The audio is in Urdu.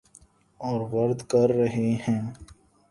اور ورد کر رہے ہیں۔